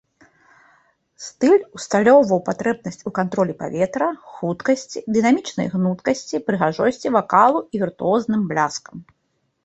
Стыль усталёўваў патрэбнасць ў кантролі паветра, хуткасці, дынамічнай гнуткасці, прыгажосці вакалу і віртуозным бляскам.